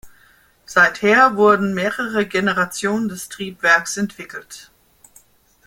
Seither wurden mehrere Generationen des Triebwerks entwickelt.